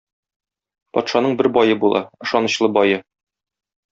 Патшаның бер бае була, ышанычлы бае.